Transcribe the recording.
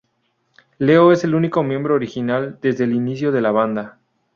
Leo es el único miembro original desde el inicio de la banda.